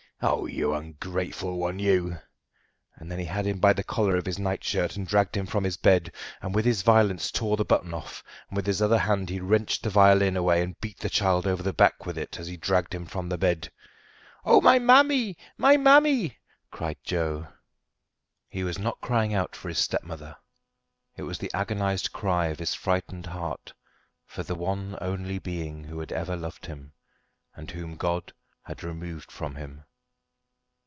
Oh, you ungrateful one, you!" Then he had him by the collar of his night shirt and dragged him from his bed, and with his violence tore the button off, and with his other hand he wrenched the violin away and beat the child over the back with it as he dragged him from the bed. "Oh, my mammy! my mammy!" cried Joe. He was not crying out for his stepmother. It was the agonised cry of his frightened heart for the one only being who had ever loved him, and whom God had removed from him.